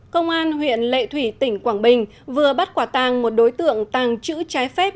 công an huyện lệ thủy tỉnh quảng bình vừa bắt quả tàng một đối tượng tàng trữ trái phép